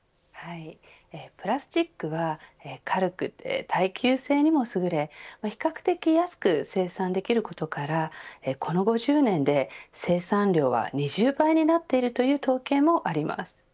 プラスチックは軽くて、耐久性にもすぐれ比較的安く生産できることからこの５０年で生産量は２０倍になっているという統計もあります。